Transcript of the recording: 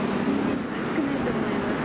少ないと思います。